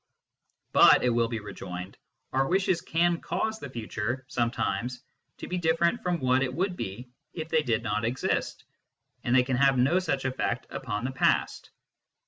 " But/ it will be rejoined, " our wishes can cause the future, sometimes, to be different from what it would be if they did not exist, and they can have no such effect upon the past."